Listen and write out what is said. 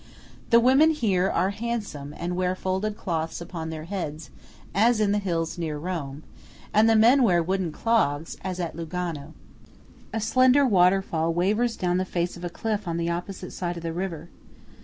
The women here are handsome, and wear folded cloths upon their heads as in the hills near Rome; and the men wear wooden clogs, as at Lugano. A slender waterfall wavers down the face of a cliff on the opposite side of the river.